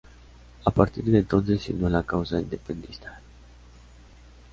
A partir de entonces se unió a la causa independentista.